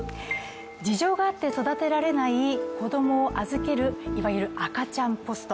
事情があって育てられない子供を預けるいわゆる赤ちゃんポスト。